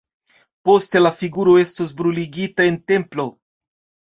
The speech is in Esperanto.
Poste la figuro estos bruligita en templo.